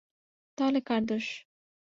তাহলে কার দোষ?